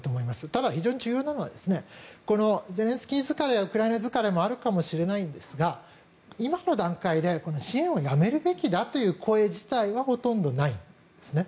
ただ、非常に重要なのはゼレンスキー疲れウクライナ疲れもあるかもしれないんですが今の段階で支援をやめるべきだという声自体はほとんどないんですね。